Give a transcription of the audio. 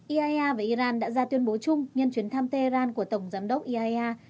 iaea và iran đã ra tuyên bố chung nhân chuyến thăm tehran của tổng giám đốc iaea